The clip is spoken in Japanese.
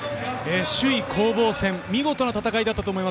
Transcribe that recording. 首位攻防戦、見事な戦いだったと思います。